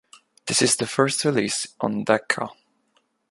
This is the first release on Decca.